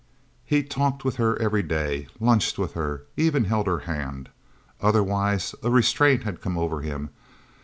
He talked with her every day, lunched with her, even held her hand. Otherwise, a restraint had come over him.